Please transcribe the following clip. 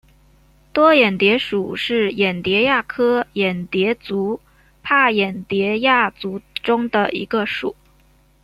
多眼蝶属是眼蝶亚科眼蝶族帕眼蝶亚族中的一个属。